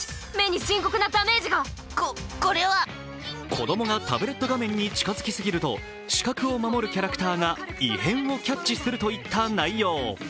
子供がタブレット画面に近づきすぎると視覚を守るキャラクターが異変をキャッチするといった内容。